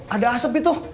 ada asep itu